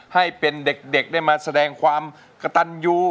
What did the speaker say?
ให้เป็นเด็กได้มาแสดงความกระตันยู